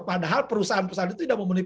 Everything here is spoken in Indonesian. padahal perusahaan perusahaan itu tidak memenuhi